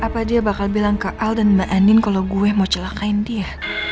apa dia bakal bilang ke al dan mbak anin kalau gue mau celakain dia